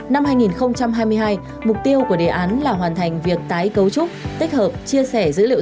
năm hai nghìn hai mươi hai mục tiêu của đề án là hoàn thành việc tái cấu trúc tích hợp chia sẻ dữ liệu